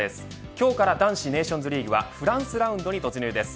今日から男子ネーションズリーグはフランスラウンドに突入です。